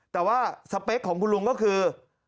แต่ว่าสเปคของคุณลุงก็คือ